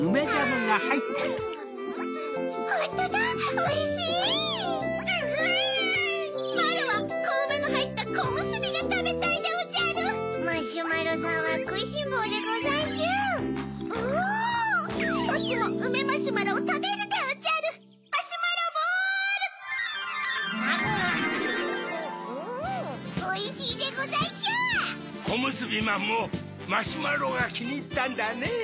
こむすびまんもマシュマロがきにいったんだねぇ。